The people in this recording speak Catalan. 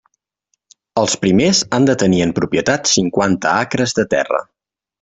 Els primers han de tenir en propietat cinquanta acres de terra.